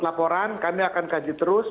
laporan kami akan kaji terus